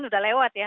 sudah lewat ya